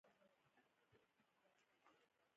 زما دا برخه نه ده خوښه چې کله جادو کار کوي